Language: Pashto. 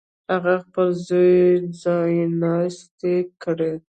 هغه خپل زوی ځایناستی کړي.